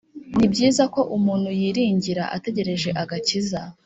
Ni byiza ko umuntu yiringira Ategereje agakiza